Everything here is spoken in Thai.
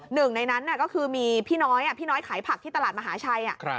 หนึ่งในนั้นก็คือมีพี่น้อยพี่น้อยขายผักที่ตลาดมหาชัย